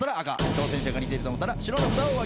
挑戦者が似てると思ったら白の札をお挙げください。